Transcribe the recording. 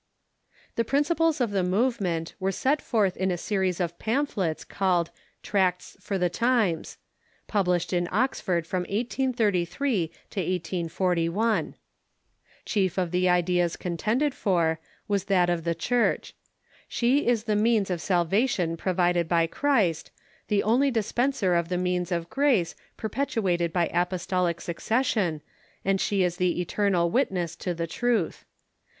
The principles of the movement were set forth in a series of pamphlets called " Tracts for the Times," published in Oxford from 1833 to 1841. Chief of tlie ideas contended for was that of the Church. She is the means of salvation provided by Christ, the only dispenser of the means of grace, perpetuated by apostolic succession, and she is the eternal witness to the truth.